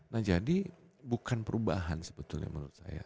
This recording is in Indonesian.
nah jadi bukan perubahan sebetulnya menurut saya